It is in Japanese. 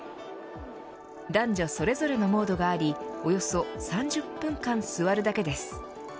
男女それぞれのモードがありおよそ３０分間座るだけです。